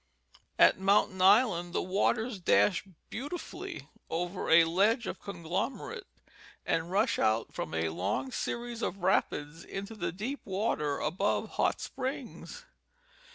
At Mountain Island the waters dash beauti fully over a ledge of conglomerate and rush out from a long series of rapids into the deep water above Hot Springs.